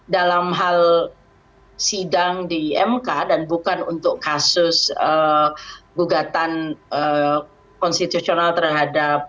dalam hal sidang di mk dan bukan untuk kasus gugatan konstitusional terhadap